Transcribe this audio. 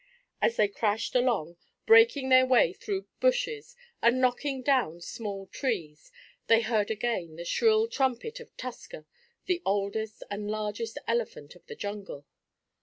As they crashed along, breaking their way through bushes and knocking down small trees, they heard again the shrill trumpet of Tusker, the oldest and largest elephant of the jungle.